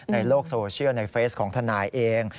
ในโลกโซเชียลในเฟสของทนายเอง